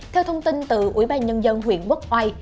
theo thông tin từ ủy ban nhân dân huyện quốc oai